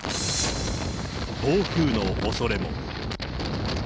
暴風のおそれも。